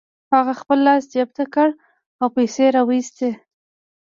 هغه خپل لاس جيب ته کړ او پيسې يې را و ايستې.